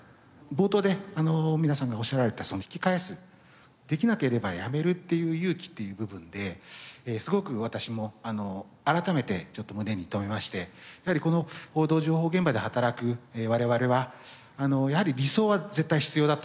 冒頭で皆さんがおっしゃられたその引き返すできなければやめるっていう勇気っていう部分ですごく私も改めてちょっと胸に留めましてやはりこの報道情報現場で働く我々はやはり理想は絶対必要だと思いながらも